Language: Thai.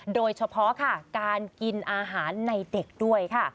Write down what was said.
โดยเฉพาะค่ะการกินอาหารในเด็กด้วยค่ะ